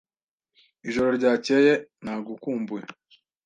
Ijoro ryakeye nagukumbuye.